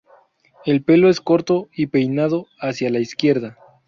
El pelo es corto y peinado hacia la izquierda.